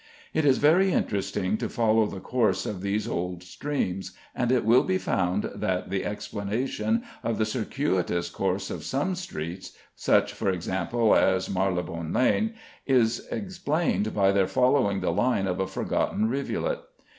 It is very interesting to follow the course of these old streams, and it will be found that the explanation of the circuitous course of some streets (such, for example, as Marylebone Lane), is explained by their following the line of a forgotten rivulet.